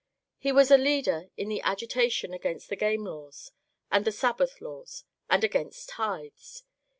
He was a leader in the agitation against the game laws, and the Sabbath laws, and against tithes.